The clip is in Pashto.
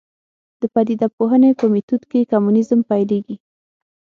د پدیده پوهنې په میتود کې کمونیزم پیلېږي.